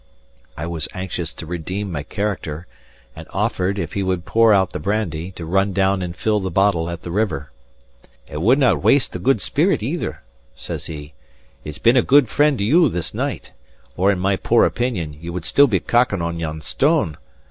I was anxious to redeem my character, and offered, if he would pour out the brandy, to run down and fill the bottle at the river. "I wouldnae waste the good spirit either," says he. "It's been a good friend to you this night; or in my poor opinion, ye would still be cocking on yon stone.